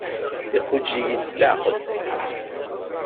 Iquǧǧ-iyi-d s leɛqel.